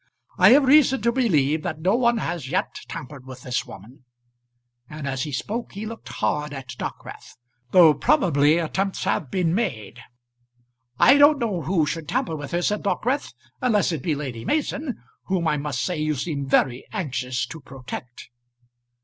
I have reason to believe that no one has yet tampered with this woman," and as he spoke he looked hard at Dockwrath, "though probably attempts may have been made." "I don't know who should tamper with her," said Dockwrath, "unless it be Lady Mason whom I must say you seem very anxious to protect."